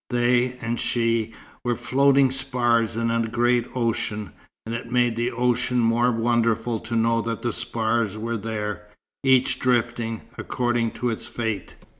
They, and she, were floating spars in a great ocean; and it made the ocean more wonderful to know that the spars were there, each drifting according to its fate.